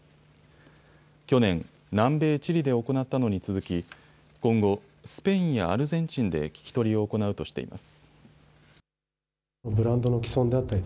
去年、南米チリで行ったのに続き今後、スペインやアルゼンチンで聞き取りを行うとしています。